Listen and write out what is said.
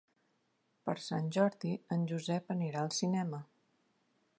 Per Sant Jordi en Josep anirà al cinema.